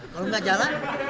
kalau gak jalan